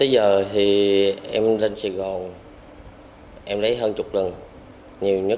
gram cẩn xạ